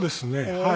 はい。